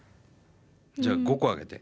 じゃあ５個挙げて。